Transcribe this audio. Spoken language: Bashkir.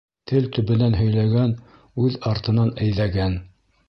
Тел төбөнән һөйләгән үҙ артынан әйҙәгән.